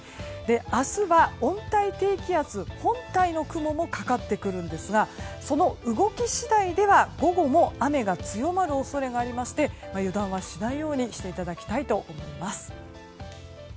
明日は温帯低気圧本体の雲もかかってくるんですがその動き次第では、午後も雨が強まる恐れがありまして油断はしないようにしていただきたいと思います。